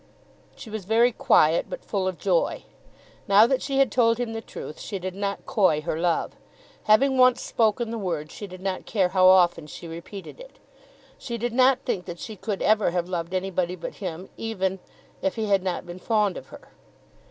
She was very quiet, but full of joy. Now that she had told him the truth she did not coy her love. Having once spoken the word she did not care how often she repeated it. She did not think that she could ever have loved anybody but him, even if he had not been fond of her.